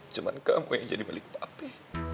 cuman kamu yang jadi milik papi